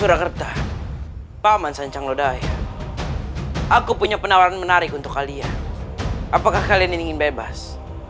apakah kalian ingin bebas